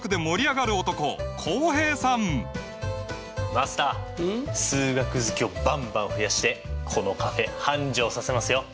マスター数学好きをバンバン増やしてこのカフェ繁盛させますよ。